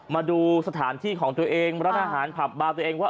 มาดูสถานที่ของตัวเองร้านอาหารผับบาร์ตัวเองว่า